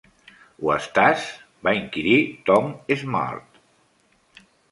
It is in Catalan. "Ho estàs?" va inquirir Tom Smart.